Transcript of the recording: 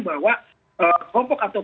bahwa kelompok atau